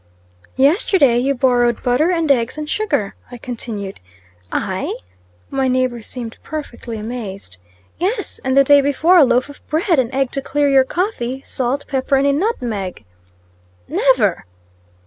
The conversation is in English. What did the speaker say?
"Yesterday you borrowed butter, and eggs, and sugar," I continued. "I?" my neighbor seemed perfectly amazed. "Yes; and the day before a loaf of bread an egg to clear your coffee salt, pepper, and a nutmeg." "Never!"